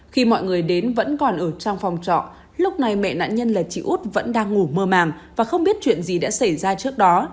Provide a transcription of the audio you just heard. khi mọi người đến vẫn còn ở trong phòng trọ lúc này mẹ nạn nhân là chị út vẫn đang ngủ mưa màng và không biết chuyện gì đã xảy ra trước đó